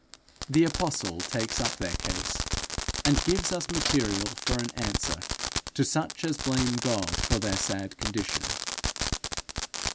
The apostle takes up their case, and gives us material for an answer to such as blame God for their sad condition.